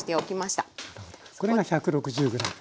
これが１６０ｇはい。